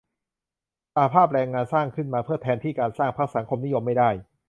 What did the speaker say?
สหภาพแรงงานสร้างขึ้นมาเพื่อแทนที่การสร้างพรรคสังคมนิยมไม่ได้